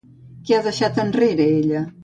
Què ha deixat enrere ella?